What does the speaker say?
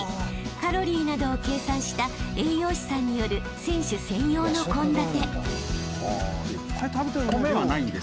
［カロリーなどを計算した栄養士さんによる選手専用の献立］